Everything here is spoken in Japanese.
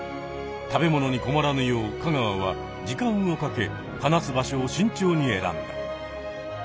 食べ物に困らぬよう香川は時間をかけ放す場所をしんちょうに選んだ。